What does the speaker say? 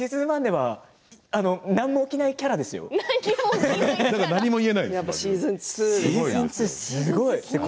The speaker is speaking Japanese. テレーザはシーズン１では何も起きないキャラクターですよ。